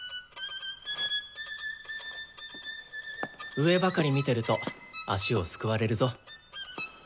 上ばかり見てると足をすくわれるぞ。